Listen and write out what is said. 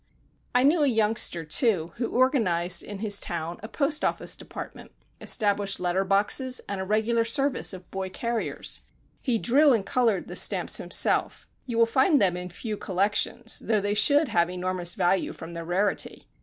I knew a youngster, too, who organized in his town a postoffice department, established letter boxes and a regular service of boy carriers. He drew and coloured the stamps himself you will find them in few collections, though they should have enormous value from their rarity.